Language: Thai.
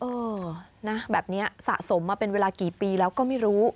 เออนะแบบนี้สะสมมาเป็นเวลากี่ปีแล้วก็ไม่รู้